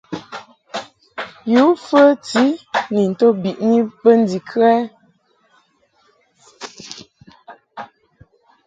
Yǔ fəti ni nto biʼni bə ndikə ɛ ?